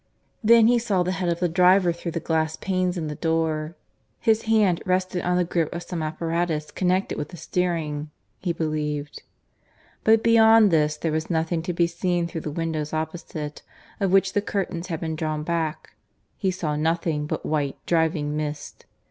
Then he saw the head of the driver through the glass panes in the door; his hand rested on the grip of some apparatus connected with the steering, he believed. But beyond this there was nothing to be seen through the windows opposite, of which the curtains had been drawn back; he saw nothing but white driving mist.